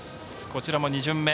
こちらも２巡目。